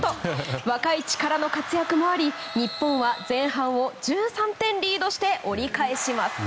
若い力の活躍もあり日本は前半を１３点リードして折り返します。